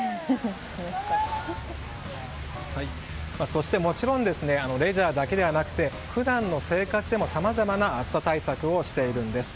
そしてもちろんレジャーだけではなくて普段の生活でもさまざまな暑さ対策をしているんです。